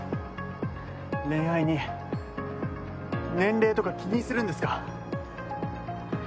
恋愛に年齢とか気にするんですか？